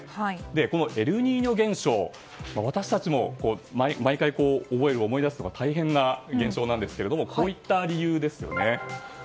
このエルニーニョ現象私たちも毎回、思い出すのは大変な現象なんですけれどもこういった理由ですよね。